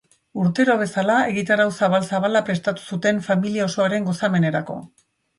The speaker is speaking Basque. Urtero bezala, egitarau zabal-zabala prestatu zuten, familia osoaren gozamenerako.